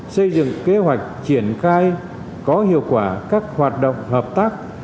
xây dựng kế hoạch triển khai có hiệu quả các hoạt động hợp tác